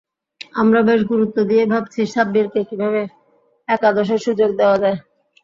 আমরা বেশ গুরুত্ব দিয়েই ভাবছি সাব্বিরকে কীভাবে একাদশে সুযোগ দেওয়া যায়।